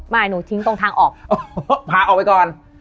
หนูทิ้งตรงทางออกพาออกไปก่อน